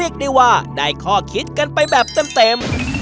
เรียกได้ว่าได้ข้อคิดกันไปแบบเต็ม